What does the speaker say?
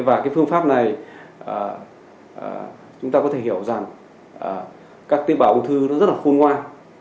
và cái phương pháp này chúng ta có thể hiểu rằng các tế bào ung thư nó rất là khôn ngoan